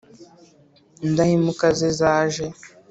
indahemuka ze zaje